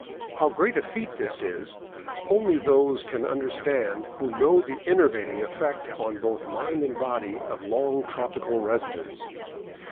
How great a feat this is only those can understand who know the enervating effect on both mind and body of long tropical residence.